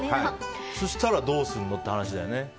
そしたらどうすんのって話だよね。